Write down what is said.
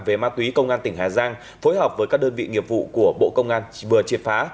về ma túy công an tỉnh hà giang phối hợp với các đơn vị nghiệp vụ của bộ công an vừa triệt phá